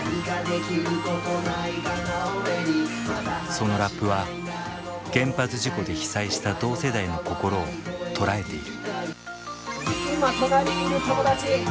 そのラップは原発事故で被災した同世代の心を捉えている。